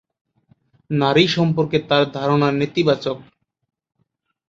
নারী সম্পর্কে তার ধারণা নেতিবাচক।